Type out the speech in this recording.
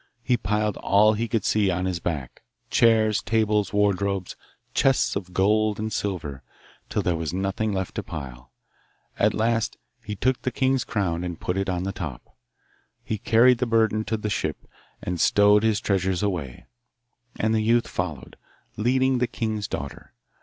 He piled all he could see on his back chairs, tables, wardrobes, chests of gold and silver till there was nothing left to pile. At last he took the king's crown, and put it on the top. He carried his burden to the ship and stowed his treasures away, and the youth followed, leading the king's daughter.